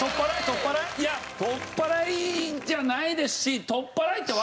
いやとっぱらいじゃないですし。